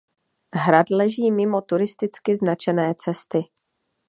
Hrad leží mimo turisticky značené cesty.